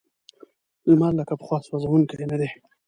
لمر لکه پخوا سوځونکی نه دی.